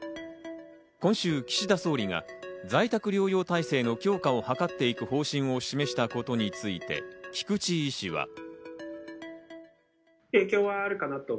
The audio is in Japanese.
今週、岸田総理が在宅療養体制の強化を図っていく方針を示したことについて菊池医師は。